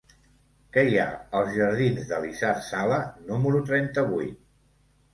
Què hi ha als jardins d'Elisard Sala número trenta-vuit?